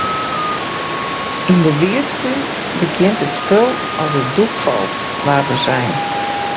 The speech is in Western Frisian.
Yn de Wierskún begjint it spul as it doek falt, waard der sein.